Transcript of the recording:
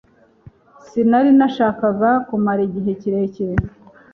sinari nashakaga kumara igihe kirekire